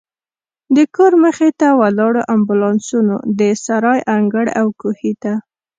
د کور مخې ته ولاړو امبولانسونو، د سرای انګړ او کوهي ته.